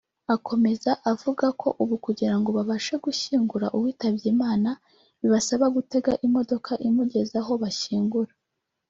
Akomeza avuga ko ubu kugira ngo babashe gushyingura uwitabye Imana bibasaba gutega imodoka imugeza aho bashyingura